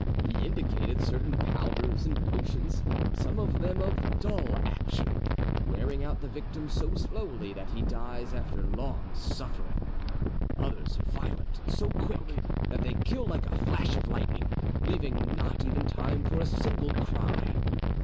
He indicated certain powders and potions, some of them of dull action, wearing out the victim so slowly that he dies after long suffering; others violent and so quick, that they kill like a flash of lightning, leaving not even time for a single cry.